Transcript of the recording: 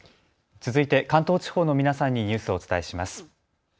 続いて関東地方の皆さんにニュースをお伝えします。